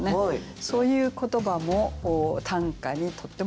そういう言葉も短歌にとっても大事なんですね。